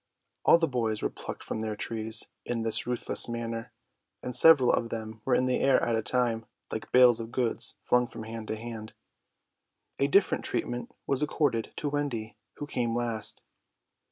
All the boys were plucked from their trees in this ruthless manner; and several of them were in the air at a time, like bales of goods flung from hand to hand. A different treatment was accorded to Wendy, who came last.